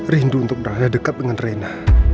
rindu untuk berada dekat dengan reyna